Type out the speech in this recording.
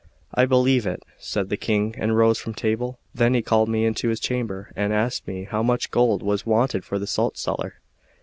"I believe it, " said the King, and rose from table. Then he called me into his chamber, and asked me how much gold was wanted for the salt cellar.